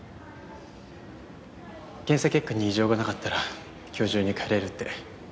検査結果に異常がなかったら今日中に帰れるって。